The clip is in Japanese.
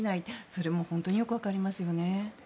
それも本当によく分かりますよね。